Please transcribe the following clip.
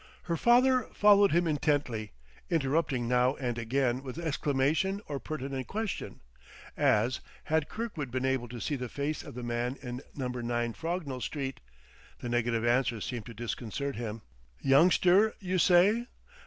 Her father followed him intently, interrupting now and again with exclamation or pertinent question; as, Had Kirkwood been able to see the face of the man in No. 9, Frognall Street? The negative answer seemed to disconcert him. "Youngster, you say?